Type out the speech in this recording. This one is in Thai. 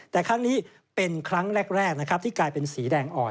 แต่ครั้งนี้เป็นครั้งแรกนะครับที่กลายเป็นสีแดงอ่อน